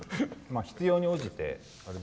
必要に応じて。